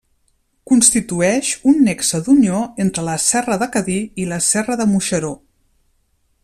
Constitueix un nexe d'unió entre la serra de Cadí, i la serra de Moixeró.